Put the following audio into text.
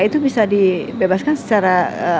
itu bisa dibebaskan secara